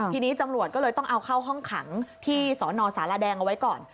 ทีนี้ตำรวจก็เลยต้องเอาเข้าห้องขังที่สนสารแดงเอาไว้ก่อน